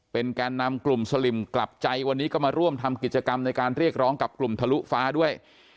แกนนำกลุ่มสลิมกลับใจวันนี้ก็มาร่วมทำกิจกรรมในการเรียกร้องกับกลุ่มทะลุฟ้าด้วย